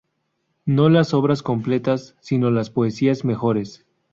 No las obras completas, sino las poesías mejores.